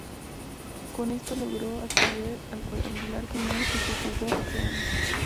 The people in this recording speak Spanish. Con esto logró acceder al cuadrangular final que se jugó ese año.